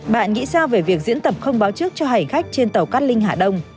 bạn nghĩ sao về việc diễn tập không báo trước cho hành khách trên tàu cát linh hạ đông